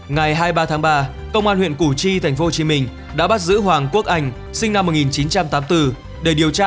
ngày hai mươi ba tháng ba công an huyện củ chi tp hcm đã bắt giữ hoàng quốc anh sinh năm một nghìn chín trăm tám mươi bốn để điều tra